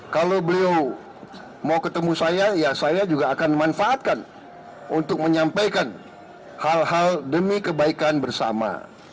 kalau beliau mau ketemu saya ya saya juga akan memanfaatkan untuk menyampaikan hal hal demi kebaikan bersama